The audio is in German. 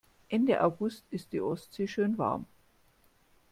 Ende August ist die Ostsee schön warm.